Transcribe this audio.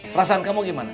perasaan kamu gimana